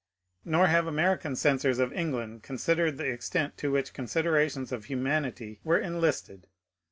Nor have American censors of England considered the extent to which considerations of humanity were enlisted.